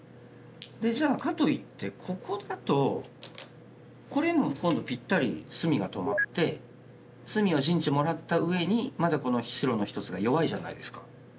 じゃあかといってここだとこれも今度ピッタリ隅が止まって隅は陣地もらったうえにまだ白の１つが弱いじゃないですか。